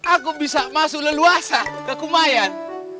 aku bisa masuk leluasa ke kumayan